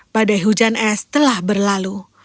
badai hujan es telah berlalu